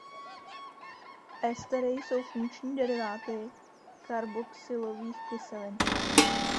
Estery jsou funkční deriváty karboxylových kyselin.